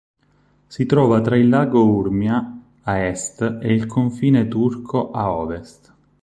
Si trova tra il lago Urmia a est e il confine turco a ovest.